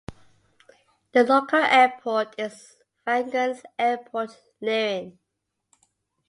The local airport is Fagernes Airport, Leirin.